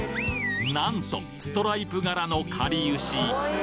なんとストライプ柄のかりゆし！